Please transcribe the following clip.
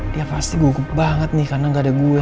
dia pasti gugup banget nih karena gak ada gue